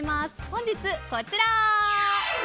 本日、こちら。